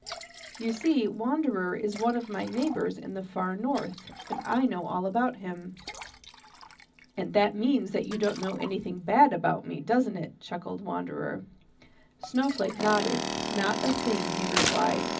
You see, Wanderer is one of my neighbors in the Far North, and I know all about him." "And that means that you don't know anything bad about me, doesn't it?" chuckled Wanderer. Snowflake nodded. "Not a thing," he replied.